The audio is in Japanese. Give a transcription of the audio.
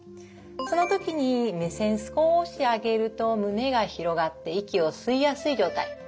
その時に目線少し上げると胸が広がって息を吸いやすい状態。